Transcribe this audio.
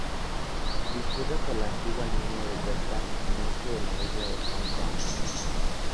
Discurre por la antigua línea de costa norte de la Isla de Hong Kong.